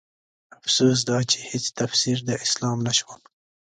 افسوس دا چې هيڅ تفسير د اسلام نه شوم